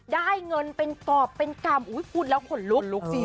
ได้เงินเป็นกรอบเป็นกรรมอุ้ยคุณแล้วขนลุก